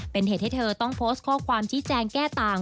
เป็นเหตุให้เธอต้องโพสต์ข้อความชี้แจงแก้ต่าง